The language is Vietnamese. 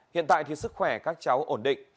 hiện tại sức khỏe các cháu ổn định